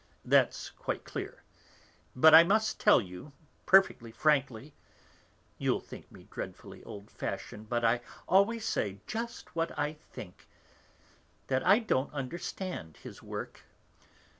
That's quite clear. But I must tell you, perfectly frankly (you'll think me dreadfully old fashioned, but I always say just what I think), that I don't understand his work.